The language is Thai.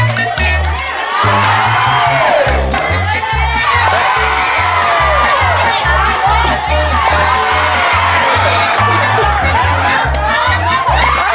เท่าไหร่ลุก